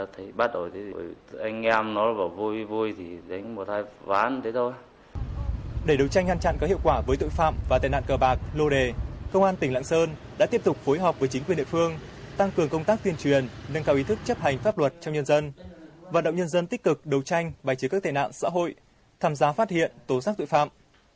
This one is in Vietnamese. trong thời gian qua công an huyện tri lăng đã tiếp tục phối hợp với chính quyền địa phương tăng cường công tác tuyên truyền nâng cao ý thức chấp hành pháp luật trong nhân dân vận động nhân dân tích cực đấu tranh bài chứa các tài nạn xã hội tham gia phát hiện tố xác tội phạm